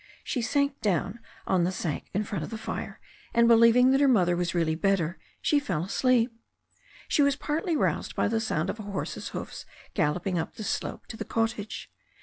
She sank down on the sack in front of the fire, and believing that her mother was really better, ^he fell asleep. She was partly roused by the sounds of a horse's hoofs THE STORY OF A NEW ZEALAND RIVER 87 galloping up the slope to the cottage.